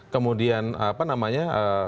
kemudian apa namanya